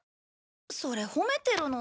それ褒めてるの？